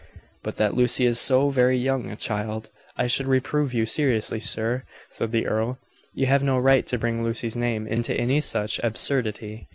"But that Lucy is so very young a child, I should reprove you seriously, sir," said the earl. "You have no right to bring Lucy's name into any such absurdity."